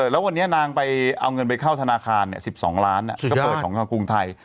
แล้ววันนี้นางไปเอาเงินไปเข้าธนาคาร๑๒ล้านก็เปิดของทางกรุงไทย